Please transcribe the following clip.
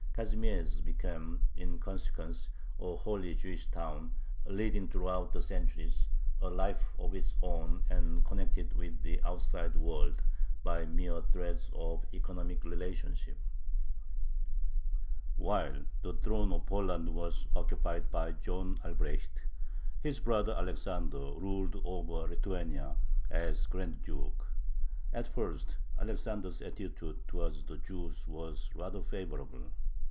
Kazimiezh became, in consequence, a wholly Jewish town, leading throughout the centuries a life of its own, and connected with the outside world by mere threads of economic relationship. While the throne of Poland was occupied by John Albrecht, his brother Alexander ruled over Lithuania as grand duke. At first Alexander's attitude towards the Jews was rather favorable.